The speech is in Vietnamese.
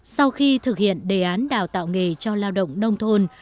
sau khi thực hiện đề án đào tạo nghề cho lao động nông thôn